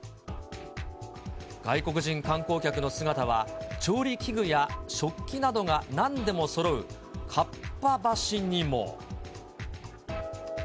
外国人観光客の姿は、調理器具や食器などがなんでもそろうかっぱ橋にも。